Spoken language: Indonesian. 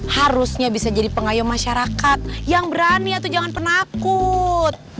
harusnya bisa jadi pengayuh masyarakat yang berani atau jangan pernah akut